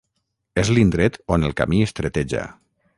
En l'indret on el camí estreteja.